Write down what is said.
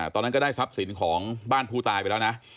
ตอนนั้นก็ได้ทรัพย์สินของบ้านผู้ตายไปแล้วนะ